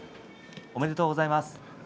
ありがとうございます。